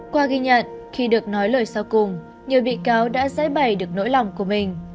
qua ghi nhận khi được nói lời sau cùng nhiều bị cáo đã giải bày được nỗi lòng của mình